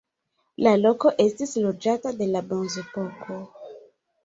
La loko estis loĝata de la bronzepoko.